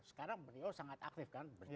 sekarang beliau sangat aktif kan